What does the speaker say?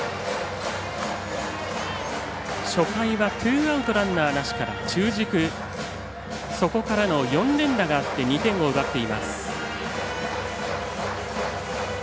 初回はツーアウトランナーなしから中軸、そこからの４連打があって２点を奪っています。